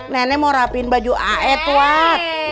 nenek mau rapiin baju aet wak